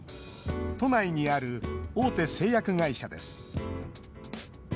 都内にある大手製薬会社です。